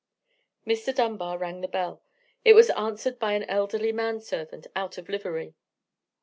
Mr. Dunbar rang the bell. It was answered by an elderly man servant out of livery.